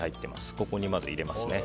ここに入れますね。